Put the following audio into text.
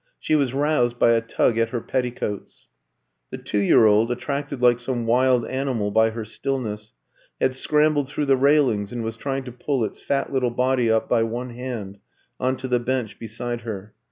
She was roused by a tug at her petticoats. The two year old, attracted like some wild animal by her stillness, had scrambled through the railings, and was trying to pull its fat little body up by one hand on to the bench beside her.